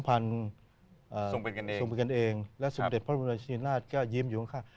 สัมพันธ์ส่งเป็นกันเองและสำเด็จพระราชนินราชยิ้มอยู่ข้าง